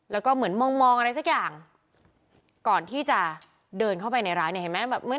แล้วก็เหมือนมองมองอะไรสักอย่างก่อนที่จะเดินเข้าไปในร้านเนี่ยเห็นไหม